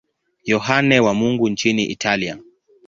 Yohane wa Mungu nchini Italia.